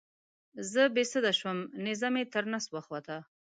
زه بې سده شوم نیزه مې تر نس وخوته.